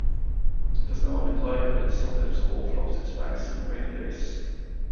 It has never been dry but it sometimes overflows its banks on rainy days.